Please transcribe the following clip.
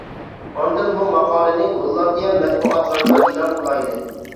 ئاندىن بۇ ماقالىنى گوللاندىيە مەتبۇئاتلىرىدا ئېلان قىلايلى.